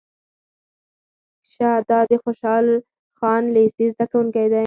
شه دا د خوشحال خان لېسې زده کوونکی دی.